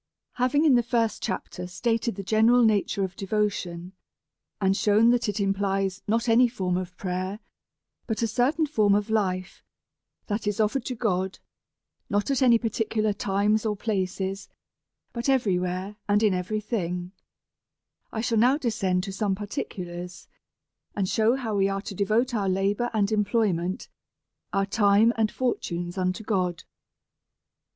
HAVING in the first chapter stated the general nature of devotion, and shewn that it implies not any form of prayer, but a certain form of life that is offer ed to God, not at any particular times or places, but to every where and in every thing ; I shall now descend DEVOUT AND HOLY LIFE. 33 to some particulars, and shew how we are to devote our labour and employment, our times and fortunes, unto God.